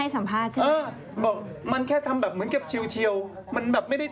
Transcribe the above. เสร็จปุ๊บพอจับได้